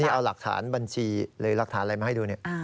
เอาหลักฐานบัญชีหรือหลักฐานอะไรมาให้ดูเนี่ย